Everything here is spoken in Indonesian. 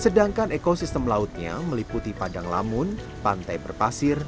sedangkan ekosistem lautnya meliputi padang lamun pantai berpasir